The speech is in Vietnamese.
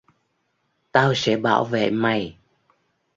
tao sẽ bảo vệ mày